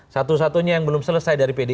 satu satunya yang belum selesai dari pdip